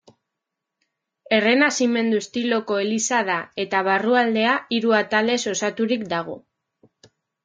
Errenazimendu estiloko eliza da eta barrualdea hiru atalez osaturik dago.